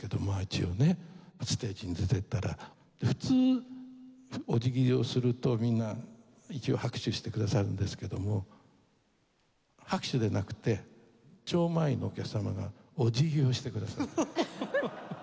一応ねステージに出ていったら普通お辞儀をするとみんな一応拍手してくださるんですけども拍手でなくて超満員のお客様がお辞儀をしてくださる。